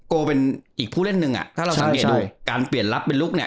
โกเป็นอีกผู้เล่นหนึ่งอ่ะถ้าเราสังเกตดูการเปลี่ยนรับเป็นลุคเนี่ย